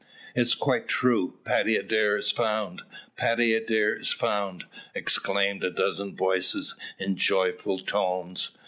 "It's quite true, Paddy Adair is found, Paddy Adair is found," exclaimed a dozen voices in joyful tones.